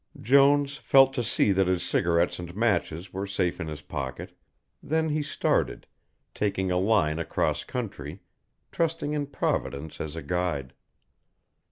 Jones felt to see that his cigarettes and matches were safe in his pocket, then he started, taking a line across country, trusting in Providence as a guide.